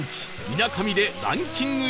みなかみでランキング